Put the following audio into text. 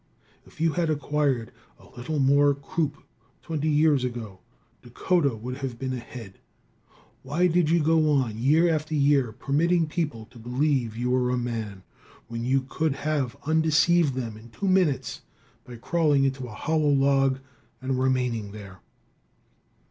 If you had acquired a little more croup twenty years ago, Dakota would have been ahead. Why did you go on year after year, permitting people to believe you were a man, when you could have undeceived them in two minutes by crawling into a hollow log and remaining there?